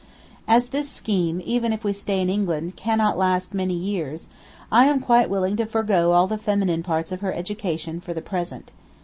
As this scheme, even if we stay in England, cannot last many years, I am quite willing to forego all the feminine parts of her education for the present.